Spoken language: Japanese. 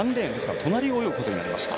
隣を泳ぐことになりました。